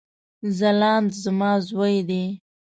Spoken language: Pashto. ځلاند زما ځوي دی